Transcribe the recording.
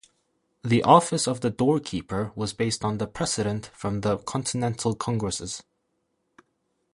The Office of the Doorkeeper was based on precedent from the Continental Congresses.